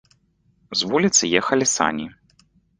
З вуліцы ехалі сані.